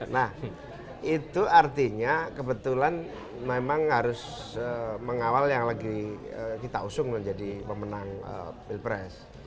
nah itu artinya kebetulan memang harus mengawal yang lagi kita usung menjadi pemenang pilpres